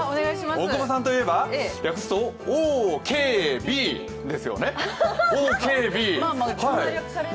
大久保さんといえば、略すとＯＫＢですよね。